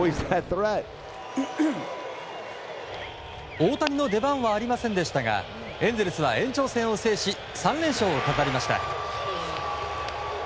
大谷の出番はありませんでしたがエンゼルスは延長戦を制し３連勝を飾りました。